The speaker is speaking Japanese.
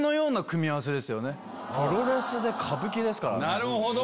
なるほど！